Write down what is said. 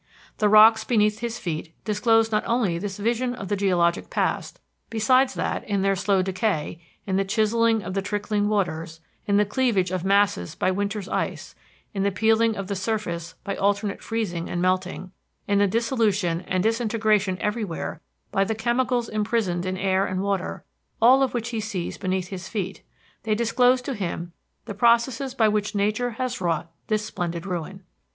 The rocks beneath his feet disclose not only this vision of the geologic past; besides that, in their slow decay, in the chiselling of the trickling waters, in the cleavage of masses by winter's ice, in the peeling of the surface by alternate freezing and melting, in the dissolution and disintegration everywhere by the chemicals imprisoned in air and water, all of which he sees beneath his feet, they disclose to him the processes by which Nature has wrought this splendid ruin.